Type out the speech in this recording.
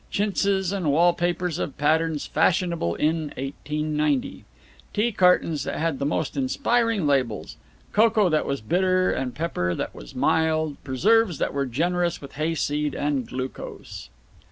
Chintzes and wall papers of patterns fashionable in 1890. Tea cartons that had the most inspiring labels; cocoa that was bitter and pepper that was mild; preserves that were generous with hayseed and glucose.